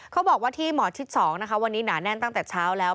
เขาบอกว่าที่หมอชิด๒นะคะวันนี้หนาแน่นตั้งแต่เช้าแล้ว